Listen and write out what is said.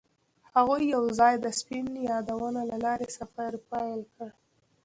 هغوی یوځای د سپین یادونه له لارې سفر پیل کړ.